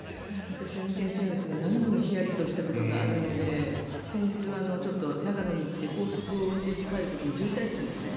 私、運転するんですけど何度もヒヤリとしたことがあるので先日、長野に行って高速を運転して帰る時に渋滞していたんですね。